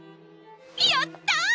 やった！